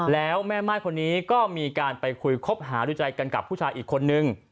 แล้วแม่ม่ายคนนี้ก็มีการไปคุยคบหาดูใจกันกับผู้ชายอีกคนนึง